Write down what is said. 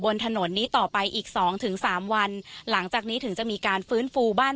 บนถนนนี้ต่อไปอีกสองถึงสามวันหลังจากนี้ถึงจะมีการฟื้นฟูบ้าน